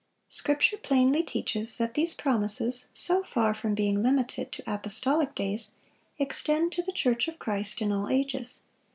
Scripture plainly teaches that these promises, so far from being limited to apostolic days, extend to the church of Christ in all ages.